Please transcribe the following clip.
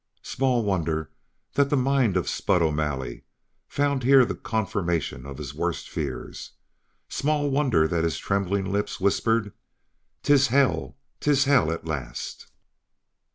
Small wonder that the mind of Spud O'Malley found here the confirmation of his worst fears; small wonder that his trembling lips whispered: "'Tis Hell! 'Tis Hell, at last!"